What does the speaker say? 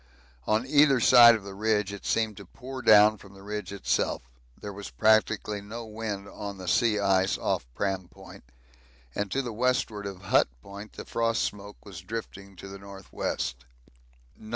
On either side of the ridge it seemed to pour down from the ridge itself there was practically no wind on the sea ice off Pram Point, and to the westward of Hut Point the frost smoke was drifting to the N.W.